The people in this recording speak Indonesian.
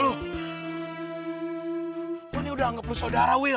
lo nih udah anggap lo saudara wil